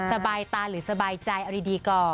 สบายตาหรือสบายใจเอาดีก่อน